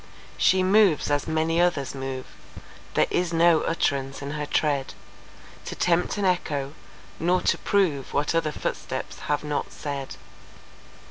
She moves as many others move; There is no uttrance in her tread To tempt an echo, nor to prove What other footsteps have not said.